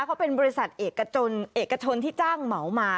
เขาเป็นบริษัทเอกชนที่จ้างเหมามา